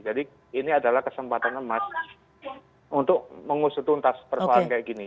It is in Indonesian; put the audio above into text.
jadi ini adalah kesempatan emas untuk mengusutuntas persoalan kayak gini